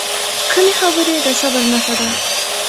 کمې خبرې، د صبر نښه ده.